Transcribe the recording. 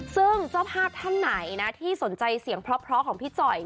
ซึ่งเจ้าภาพท่านไหนนะที่สนใจเสียงเพราะของพี่จ่อย